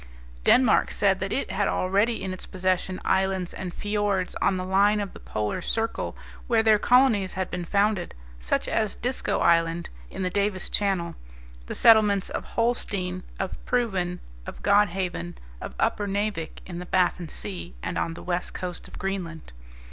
Denmark said that it had already in its possession islands and fiords on the line of the polar circle where their colonies had been founded, such as Disko Island, in the Davis Channel; the settlements of Holstein, of Proven, of Godhaven, of Uppernavik, in the Baffin Sea, and on the west coast of Greenland.